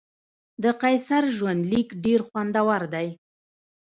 د قیصر ژوندلیک ډېر خوندور دی.